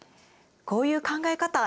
こういう考え方